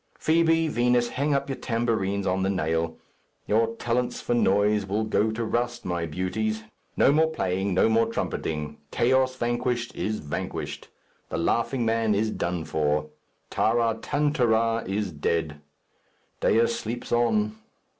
Fibi, Vinos, hang up your tambourines on the nail. Your talents for noise will go to rust, my beauties; no more playing, no more trumpeting 'Chaos Vanquished' is vanquished. 'The Laughing Man' is done for. 'Taratantara' is dead. Dea sleeps on.